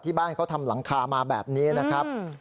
บ้านเขาทำหลังคามาแบบนี้นะครับ